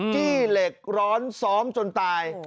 จี้เหล็กร้อนซ้อมจนตาย